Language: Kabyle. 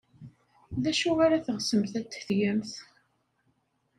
D acu ara teɣsemt ad t-tgemt?